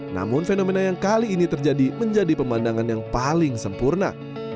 namun fenomena yang kali ini terjadi menjadi pemandangan yang paling sempurna